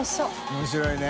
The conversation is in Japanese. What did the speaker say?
面白いね。